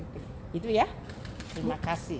itu ya terima kasih